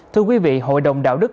thưa quý vị hội đồng đạo đức